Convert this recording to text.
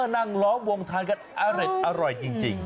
เออนั่งร้องวงทานกันอร่อยจริง